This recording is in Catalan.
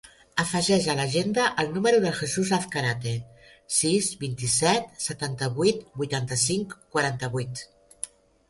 Afegeix a l'agenda el número del Jesús Azcarate: sis, vint-i-set, setanta-vuit, vuitanta-cinc, quaranta-vuit.